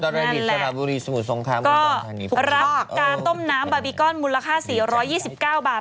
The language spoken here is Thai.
นั่นแหละก็รับการต้มน้ำบาร์บีกอนมูลค่า๔๒๙บาท